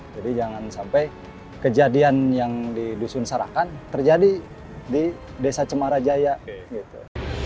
jadi jangan sampai kejadian yang di dusun sarakan terjadi di desa cemara jaya gitu